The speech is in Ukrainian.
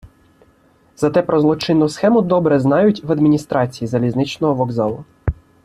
Зате про злочинну схему добре знають в адміністрації залізничного вокзалу.